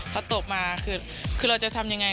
พอตบมาคือเราจะทำอย่างไร